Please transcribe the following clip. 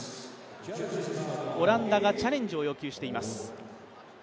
オランダがチャレンジを要求しています。